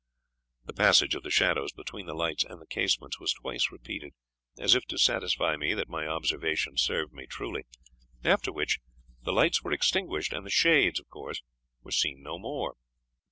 The passage of the shadows between the lights and the casements was twice repeated, as if to satisfy me that my observation served me truly; after which the lights were extinguished, and the shades, of course, were seen no more.